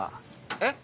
えっ？